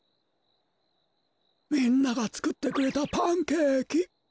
みんながつくってくれたパンケーキ。